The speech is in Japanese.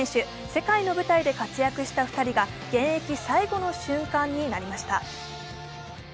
世界の舞台で活躍した２人が現役最後の瞬間になりました。